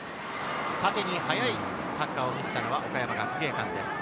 縦に速いサッカーを見せたのは岡山学芸館です。